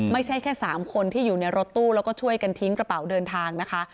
ไม่ใช่แค่๓คนที่อยู่ในรถตู้แล้วก็ช่วยกันทิ้งกระเป๋าเดินทางนะคะ